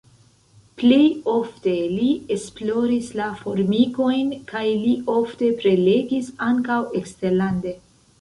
Plej ofte li esploris la formikojn kaj li ofte prelegis ankaŭ eksterlande.